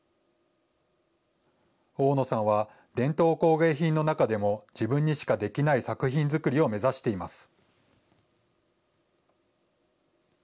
大野さんは、伝統工芸品の中でも自分にしかできない作品作りを目指しています。